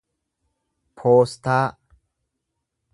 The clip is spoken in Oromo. poostaa